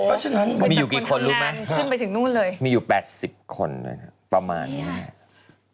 โอ้โหมีอยู่กี่คนรู้ไหมมีอยู่๘๐คนประมาณนี้